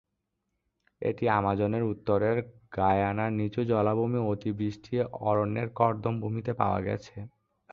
এটি আমাজনের উত্তরের গায়ানা নিচু জলাভূমি অতিবৃষ্টি অরণ্যের কর্দম ভূমিতে পাওয়া গেছে।